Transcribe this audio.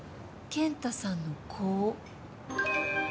健太さんの子を。